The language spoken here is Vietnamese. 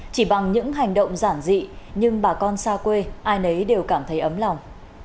chỉ bằng những hành động giản dị nhưng bà con xa quê ai nấy đều cảm thấy ấm lòng